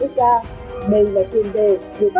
đây là tiền đề để phát triển thêm một bức nghĩa